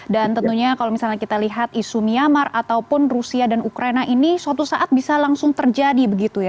dan tentunya kalau misalnya kita lihat isu myanmar ataupun rusia dan ukraina ini suatu saat bisa langsung terjadi begitu ya